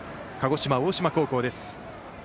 鹿児島、大島高校です。